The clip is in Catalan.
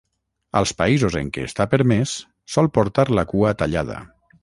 Als països en què està permès, sol portar la cua tallada.